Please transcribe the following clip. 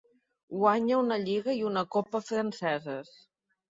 Guanyà una lliga i una copa franceses.